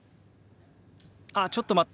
「ああちょっと待って。